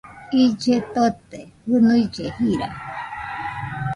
Ille tote, jɨnuille jira